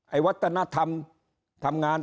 วัฒนธรรมทำงาน